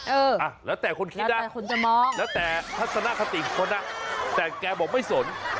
เออแล้วแต่คนคิดนะแล้วแต่พัฒนาคติคนนะแต่แกบอกไม่สน